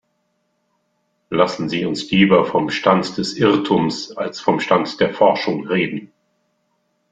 Lassen Sie uns lieber vom Stand des Irrtums als vom Stand der Forschung reden.